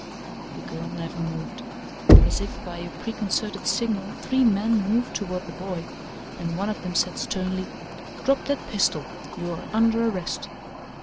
The girl never moved. As if by a preconcerted signal three men moved toward the boy, and one of them said sternly: "Drop that pistol. You are under arrest.'